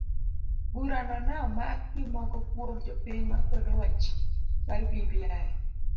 Burano ne omak gi moko kuom jopiny ma kwedo wach mar bbi.